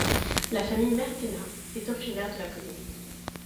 La famille Mertenat est originaire de la commune.